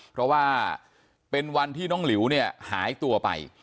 เพราะว่าเป็นวันที่น้องหลิวเนี่ยหายตัวไป